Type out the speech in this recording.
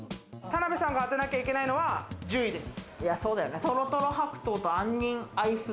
田辺さんが当てなきゃいけないのは１０位です。